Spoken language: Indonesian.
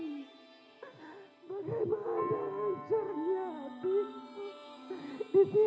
bagaimana hasilnya disini